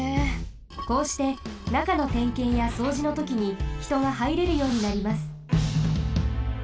こうしてなかのてんけんやそうじのときにひとがはいれるようになります。